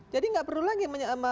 jadi nggak perlu lagi